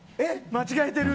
間違えてる。